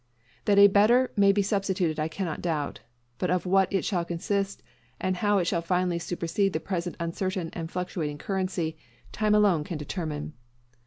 That a better may be substituted I cannot doubt; but of what it shall consist, and how it shall finally supersede the present uncertain and fluctuating currency, time alone can determine.